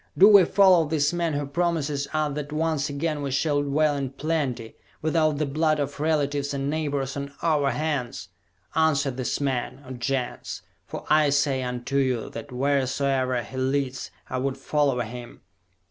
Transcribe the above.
Do we follow this man who promises us that once again we shall dwell in plenty, without the blood of relatives and neighbors on our hands? Answer this man, O Gens for I say unto you that wheresoever he leads I would follow him!"